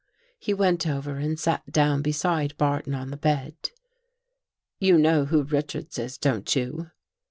He went over and sat down beside Barton on the bed. " You know who Richards Is, don't you?